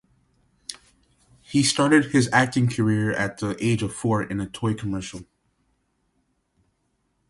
He started his acting career at the age of four in a toy commercial.